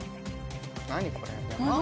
何これ山？